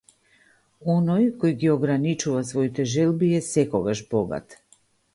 Оној кој ги ограничува своите желби е секогаш богат.